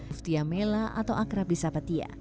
uftia mela atau akrabisapatia